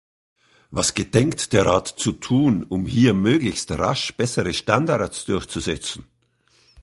Was gedenkt der Rat zu tun, um hier möglichst rasch bessere Standards durchzusetzen?